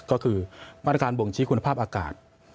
ก็คือมาตรการบ่งชี้คุณภาพอากาศ